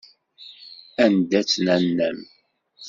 Anda-tt nanna-m?